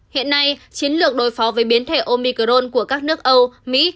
hiện nay chiến lược đối phó với biến thể omicron của các nước âu mỹ